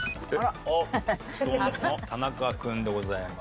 ＳｉｘＴＯＮＥＳの田中君でございます。